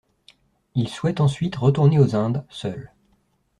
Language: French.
Il souhaite ensuite retourner aux Indes, seul.